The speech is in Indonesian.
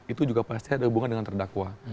itu juga pasti ada hubungan dengan terdakwa